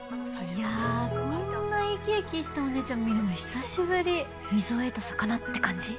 いやこんな生き生きしたお姉ちゃん見るの久しぶり水を得た魚って感じ？